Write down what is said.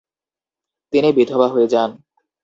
তিনি বিধবা হয়ে যান।